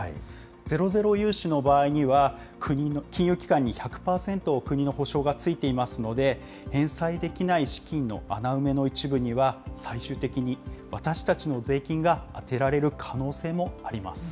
ゼロゼロ融資の場合には、金融機関に１００％の国の保証がついていますので、返済できない資金の穴埋めの一部には、最終的に私たちの税金が充てられる可能性もあります。